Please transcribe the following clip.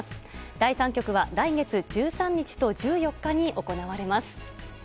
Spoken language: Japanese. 第３局は来月１３日と１４日に行われます。